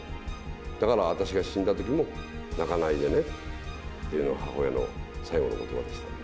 だから、私が死んだときも泣かないでねっていうのが、母親の最後のことばでしたね。